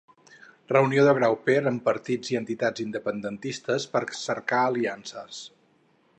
Reunió de Grauper amb partits i entitats independentistes per cercar aliances.